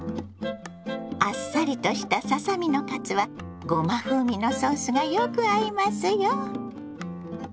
あっさりとしたささ身のカツはごま風味のソースがよく合いますよ。